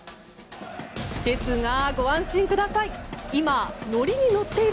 ですが、ご安心ください。